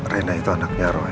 rena itu anaknya roy